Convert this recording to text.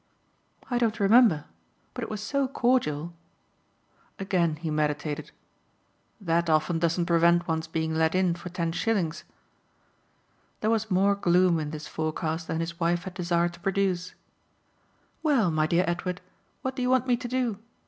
"I don't remember but it was so cordial." Again he meditated. "That often doesn't prevent one's being let in for ten shillings." There was more gloom in this forecast than his wife had desired to produce. "Well, my dear Edward, what do you want me to do?